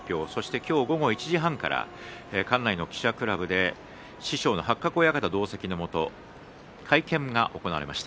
今日午後１時半から館内の記者クラブで師匠の八角親方同席のもと会見が行われました。